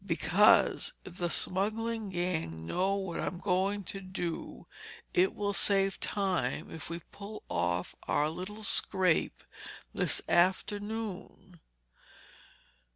"Because if the smuggling gang know what I'm going to do it will save time if we pull off our little scrap this afternoon."